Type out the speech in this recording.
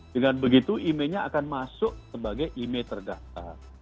dengan begitu imei nya akan masuk sebagai imei terdaftar